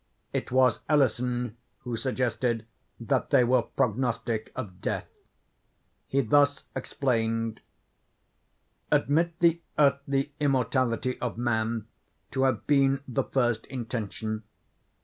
It was Ellison who suggested that they were prognostic of death. He thus explained:—Admit the earthly immortality of man to have been the first intention.